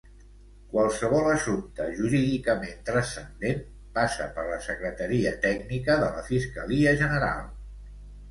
Qualsevol assumpte jurídicament transcendent passa per la secretaria tècnica de la fiscalia general.